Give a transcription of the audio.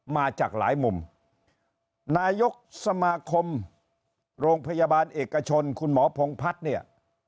มาจากหลายมุมนายกสมาคมโรงพยาบาลเอกชนคุณหมอพงพัฒน์เนี่ย